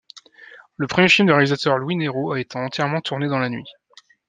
Le premier film du réalisateur Louis Nero a été entièrement tourné dans la nuit.